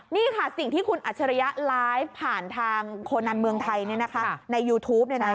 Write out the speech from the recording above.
นี่ค่ะสิ่งที่คุณอัจฉริยะไลฟ์ผ่านทางโคนันเมืองไทยในยูทูป